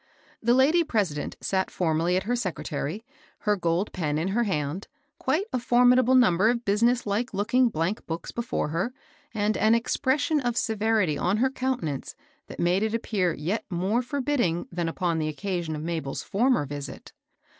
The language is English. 380 MABEL ROSS. The lady president sat formally at her secretary, her gold pen in her hand, quite a formidable number of business like looking blank books before her, and an expression of severity on her countenance that made it appear yet more forbidding than upon the occasion of Mabel's former visit.